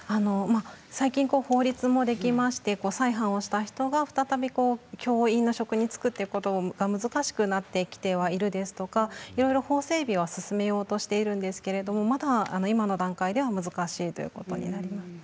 最近、法律もできまして再犯をした人が、再び教員の職に就くということが難しくなってきてはいるですとか法整備はいろいろ進めようとしているんですけれど、まだ今の段階では難しいということになります。